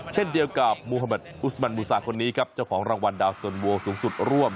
เช่นเดียวกับอุสมันมูซาคนนี้ครับเจ้าของรางวัลดาวสนโวสูงสุดร่วม